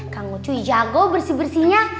kalo cuy jago bersih bersihnya